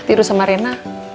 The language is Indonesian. tidur sama reina